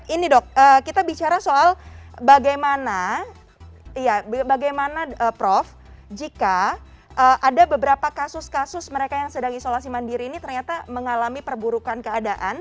ini dok kita bicara soal bagaimana prof jika ada beberapa kasus kasus mereka yang sedang isolasi mandiri ini ternyata mengalami perburukan keadaan